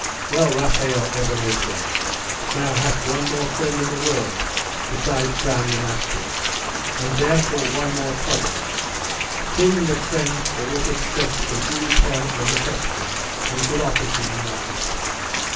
Well, Raphael Aben Ezra, thou hast one more friend in the world beside Bran the mastiff; and therefore one more trouble seeing that friends always expect a due return of affection and good offices and what not.